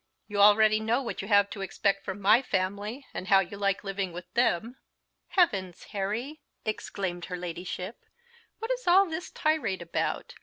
You already know what you have to expect from my family, and how you like living with them." "Heavens, Harry!" exclaimed her Ladyship, "what is all this tirade about?